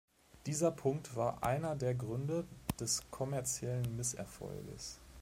Dieser Punkt war einer der Gründe des kommerziellen Misserfolges.